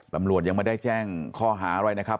ตำรวจยังไม่ได้แจ้งข้อหาอะไรนะครับ